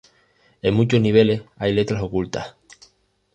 En muchos niveles hay letras ocultas.